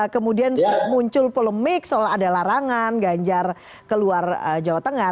kemudian muncul polemik soal ada larangan ganjar keluar jawa tengah